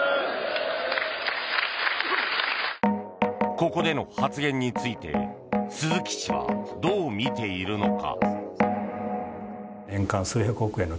ここでの発言について鈴木氏はどう見ているのか。